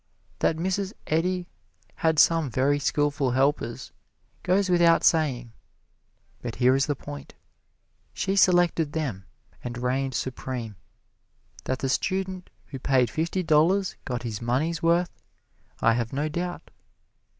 That Mrs. Eddy had some very skilful helpers goes without saying. But here is the point she selected them, and reigned supreme. That the student who paid fifty dollars got his money's worth, I have no doubt.